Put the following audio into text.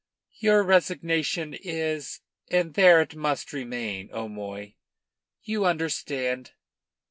"Your resignation is, and there it must remain, O'Moy. You understand?"